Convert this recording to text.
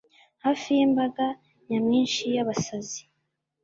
Hafi yimbaga nyamwinshi yabasazi,